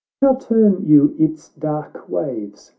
597 How term you its dark waves